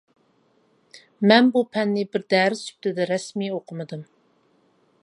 مەن بۇ پەننى بىر دەرس سۈپىتىدە رەسمىي ئوقۇمىدىم.